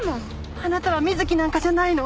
あなたは美月なんかじゃないの。